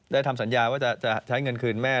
ทำสัญญาว่าจะใช้เงินคืนแม่